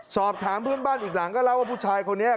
สอบถามเพื่อนบ้านอีกหลังก็เล่าว่าผู้ชายคนนี้